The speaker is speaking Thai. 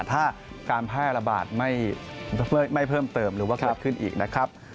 ถ้าการแพร่ระบาดไม่เพิ่มเติมหรือว่าเกิดขึ้นอีกนะครับ